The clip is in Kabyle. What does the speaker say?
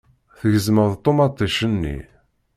Tgezmem ṭumaṭic-nni.